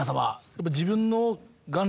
やっぱ。